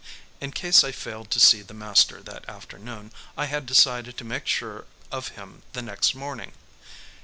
In case I failed to see the master that afternoon I had decided to make sure of him the next morning.